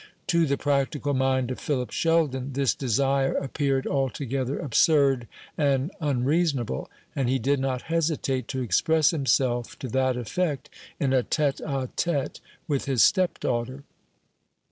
To the practical mind of Philip Sheldon this desire appeared altogether absurd and unreasonable, and he did not hesitate to express himself to that effect in a tête a tête with his stepdaughter.